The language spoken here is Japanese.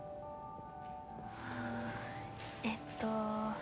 ああえっと